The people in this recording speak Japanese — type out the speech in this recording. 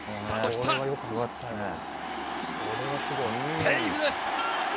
セーフです！